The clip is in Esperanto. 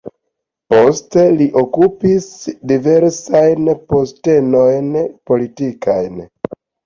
Poste li okupis diversajn postenojn politikajn.